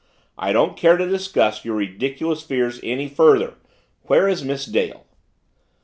"I don't care to discuss your ridiculous fears any further. Where is Miss Dale?"